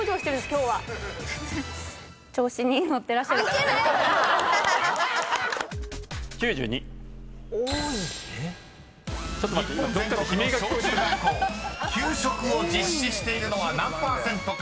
［日本全国の小・中学校給食を実施しているのは何％か］